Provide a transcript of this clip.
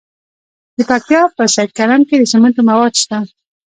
د پکتیا په سید کرم کې د سمنټو مواد شته.